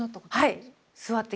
はい。